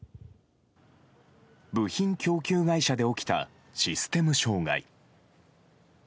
部品供給会社で起きたシステム障害。